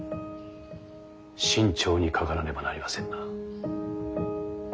慎重にかからねばなりませんな。